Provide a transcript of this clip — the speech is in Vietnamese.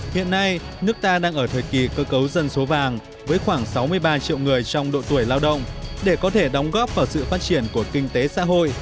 hiện nay nước ta đang ở thời kỳ cơ cấu dân số vàng với khoảng sáu mươi ba triệu người trong độ tuổi lao động để có thể đóng góp vào sự phát triển của kinh tế xã hội